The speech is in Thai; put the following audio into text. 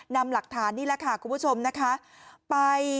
นำหลักฐานนี่แหละค่ะคุณผู้ชมนะคะไป